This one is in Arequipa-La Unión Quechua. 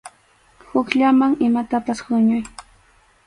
Hukllaman imatapas huñuy.